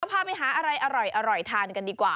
พาไปหาอะไรอร่อยทานกันดีกว่า